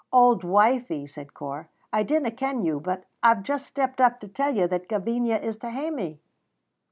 "Auld wifie," said Corp, "I dinna ken you, but I've just stepped up to tell you that Gavinia is to hae me."